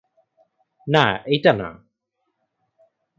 না এইটা না।